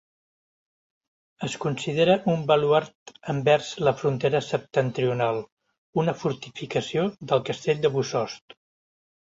Es considera un baluard envers la frontera septentrional, una fortificació del castell de Bossòst.